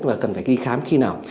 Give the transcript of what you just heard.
và cần phải ghi khám khi nào